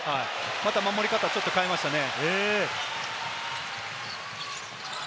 また守り方をちょっと変えましたね。